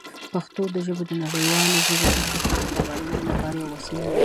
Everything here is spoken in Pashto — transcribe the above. پښتو ژبه د نړیوالو ژبو سره د پوهې تبادله لپاره یوه وسیله ده.